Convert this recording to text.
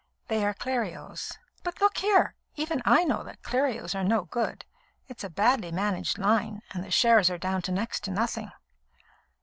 They are Clerios." "But, look here, even I know that Clerios are no good. It's a badly managed line, and the shares are down to next to nothing."